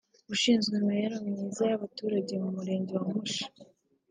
ushinzwe imibereho myiza y’Abaturage mu murenge wa Musha